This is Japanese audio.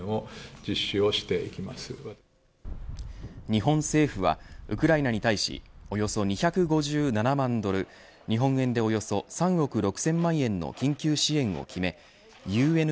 日本政府はウクライナに対しおよそ２５７万ドル日本円でおよそ３億６０００万円の緊急支援を決めＵＮＨＣＲ